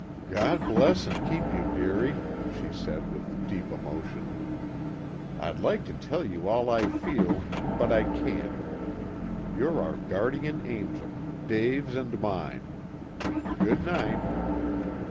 "God bless and keep you, dearie," she said, with deep emotion. "I'd like to tell you all I feel, but I can't. You're our guardian angel Dave's and mine. Good night."